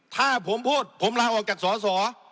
ถ้าผมพูดผมลาออกจากสอสอ